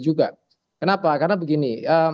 juga kenapa karena begini